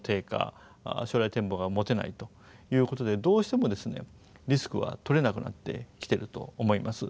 将来展望が持てないということでどうしてもリスクはとれなくなってきてると思います。